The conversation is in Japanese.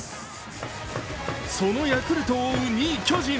そのヤクルトを追う、２位・巨人。